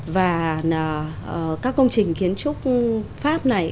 và các công trình kiến trúc pháp này